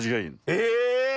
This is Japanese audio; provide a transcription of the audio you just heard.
え！